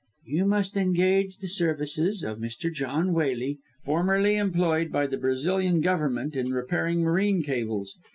"You must engage the services of Mr. John Waley, formerly employed by the Brazilian Government in repairing marine cables.